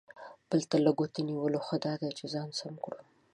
بل ته له ګوتې نیولو، ښه دا ده چې ځان سم کړو.